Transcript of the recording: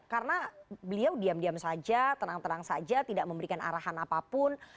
karena beliau diam diam saja tenang tenang saja tidak memberikan arahan apapun